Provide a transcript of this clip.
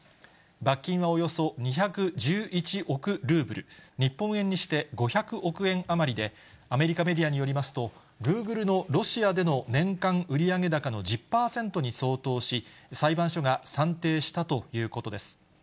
罰金はおよそ２１１億ルーブル、日本円にして５００億円余りで、アメリカメディアによりますと、グーグルのロシアでの年間売上高の１０％に相当し、裁判所が算定したということです。